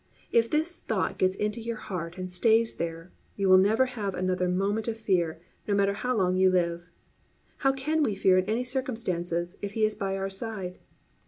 If this thought gets into your heart and stays there, you will never have another moment of fear no matter how long you live. How can we fear in any circumstances, if He is by our side?